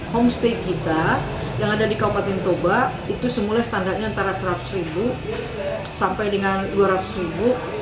homestay kita yang ada di kabupaten toba itu semula standarnya antara rp seratus sampai dengan rp dua ratus